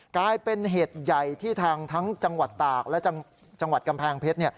กลายเป็นเหตุใหญ่ที่ทางทั้งจังหวัดตากและจังหวัดกำแพงเพชร